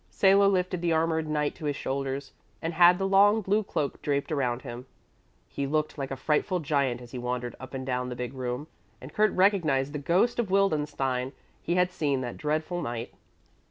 Salo lifted the armoured knight to his shoulders, and had the long, blue cloak draped around him. He looked like a frightful giant as he wandered up and down the big room, and Kurt recognized the ghost of Wildenstein he had seen that dreadful night.